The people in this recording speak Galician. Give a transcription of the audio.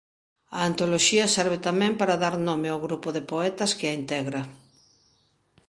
A antoloxía serve tamén para dar nome ao grupo de poetas que a integra.